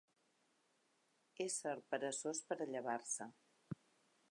Ésser peresós per a llevar-se.